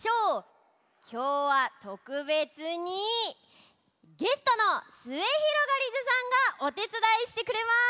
きょうはとくべつにゲストのすゑひろがりずさんがおてつだいしてくれます。